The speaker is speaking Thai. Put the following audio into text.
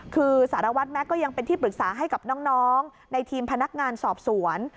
คือสารวัตรแม็กซก็ยังเป็นที่ปรึกษาให้กับน้องในทีมพนักงานสอบสวน